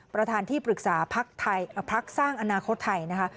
ประธานที่ปรึกษาพักสร้างอนาคตไทยนะคะ